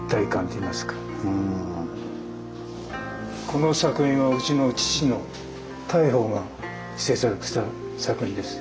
この作品はうちの父の大峰が制作した作品です。